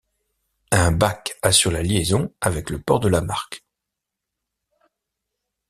Un bac assure la liaison avec le port de Lamarque.